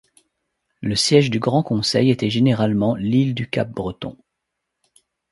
Le siège du grand conseil était généralement l'île du Cap-Breton.